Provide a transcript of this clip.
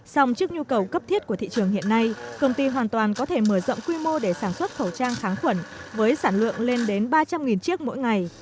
xong trước nhu cầu cấp thiết của thị trường hiện nay công ty hoàn toàn có thể mở rộng quy mô để sản xuất khẩu trang kháng khuẩn với sản lượng lên đến ba trăm linh chiếc mỗi ngày